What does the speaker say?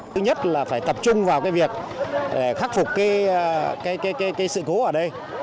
thứ nhất là phải tập trung vào việc khắc phục sự cố ở đây